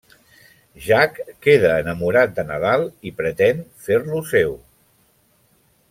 Jack queda enamorat de Nadal i pretén fer-lo seu.